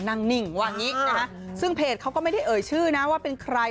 นิ่งว่างี้นะฮะซึ่งเพจเขาก็ไม่ได้เอ่ยชื่อนะว่าเป็นใคร